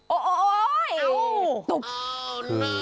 โอ๊ยตุ๊ก